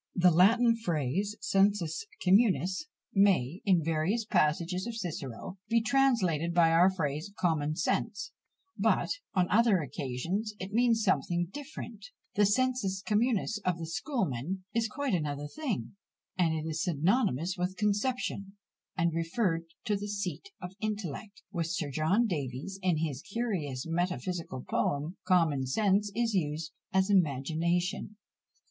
The Latin phrase, sensus communis, may, in various passages of Cicero, be translated by our phrase common sense; but, on other occasions, it means something different; the sensus communis of the schoolmen is quite another thing, and is synonymous with conception, and referred to the seat of intellect; with Sir John Davies, in his curious metaphysical poem, common sense is used as imagination.